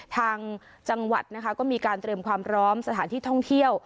ทางจังหวัดนะคะก็มีการเตรียมความพร้อมสถานที่ท่องเที่ยว